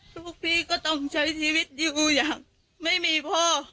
พวกพี่ก็ต้องใช้ชีวิตอยู่อย่างไม่มีพ่อ